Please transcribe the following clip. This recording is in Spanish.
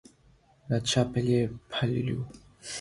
La Chapelle-Palluau